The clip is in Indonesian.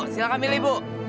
silahkan pilih bu